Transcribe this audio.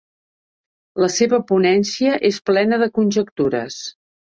La seva ponència és plena de conjectures.